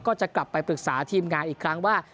ก็จะกลับไปปรึกษาทีมงานอีกครั้งว่า